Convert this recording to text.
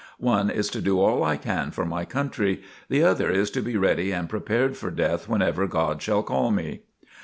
One is to do all I can for my country. The other is to be ready and prepared for death whenever God shall call me."